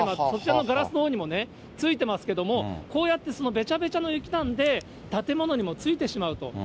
そちらのガラスのほうにも付いてますけど、こうやってべちゃべちゃの雪なので、建物にもついてしまうと。